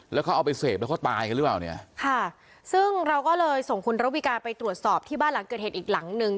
แล้วเขาเอาไปเสพแล้วเขาตายกันหรือเปล่าเนี่ยค่ะซึ่งเราก็เลยส่งคุณระวิการไปตรวจสอบที่บ้านหลังเกิดเหตุอีกหลังนึง